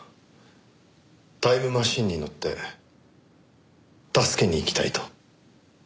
タイムマシンに乗って助けに行きたいと？